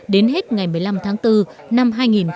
đến hết ngày một mươi năm tháng bốn năm hai nghìn một mươi chín